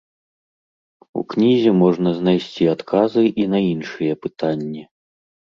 У кнізе можна знайсці адказы і на іншыя пытанні.